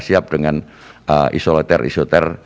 siap dengan isolater isolater